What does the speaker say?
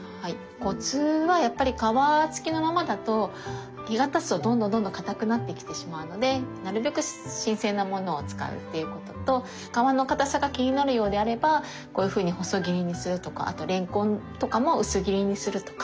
コツはやっぱり皮つきのままだと日がたつとどんどんどんどん硬くなってきてしまうのでなるべく新鮮なものを使うっていうことと皮の硬さが気になるようであればこういうふうに細切りにするとかあとれんこんとかも薄切りにするとか。